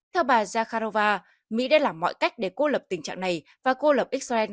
theo bà zakharova mỹ đã làm mọi cách để cố lập tình trạng này và cố lập israel